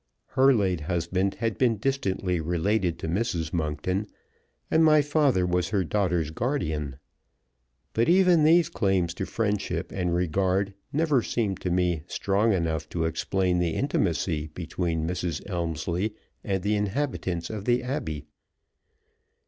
Her late husband had been distantly related to Mrs. Monkton, and my father was her daughter's guardian. But even these claims to friendship and regard never seemed to me strong enough to explain the intimacy between Mrs. Elmslie and the inhabitants of the Abbey.